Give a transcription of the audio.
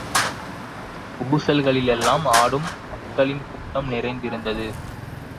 ஊசல்களிலெல்லாம் ஆடும் மக்களின் கூட்டம் நிறைந்திருந்தது.